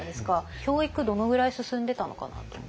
教育どのぐらい進んでたのかなと思って。